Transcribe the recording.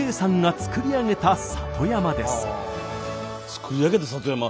作り上げた里山すごっ！